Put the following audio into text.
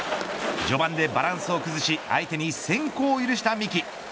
序盤でバランスを崩し相手に先行を許した三木。